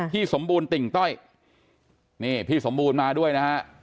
สมบูรณ์ติ่งต้อยนี่พี่สมบูรณ์มาด้วยนะฮะ